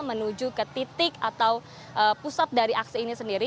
menuju ke titik atau pusat dari aksi ini sendiri